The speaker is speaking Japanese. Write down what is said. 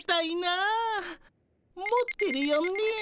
持ってるよね？